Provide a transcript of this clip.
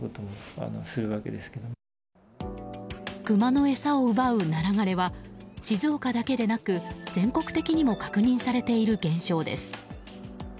クマの餌を奪うナラ枯れは静岡だけでなく、全国的にも確認されている現象です。